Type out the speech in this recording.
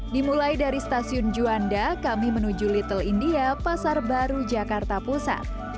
dimulai dari stasiun juanda kami menuju little india pasar baru jakarta pusat